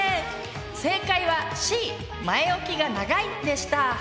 正解はＣ「前置きが長い」でした。